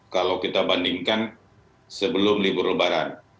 kalau kita bandingkan sebelum libur lebaran